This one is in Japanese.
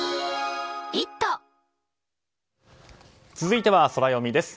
続いては、ソラよみです。